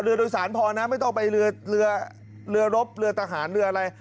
เรือโดยสารพอนะไม่ต้องไปเรือเรือรบเรือทหารเรืออะไร